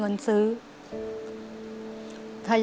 อเจมส์แล้วมีอะไรอีก